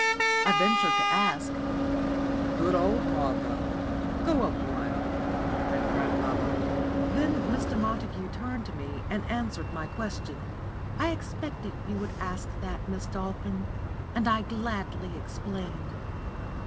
I ventured to ask. "Good old Martha! Go up one," said grandpapa. Then Mr. Montague turned to me and answered my question. "I expected you would ask that, Miss Dolphin, and I gladly explain.